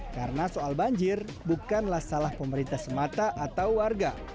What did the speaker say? karena soal banjir bukanlah salah pemerintah semata atau warga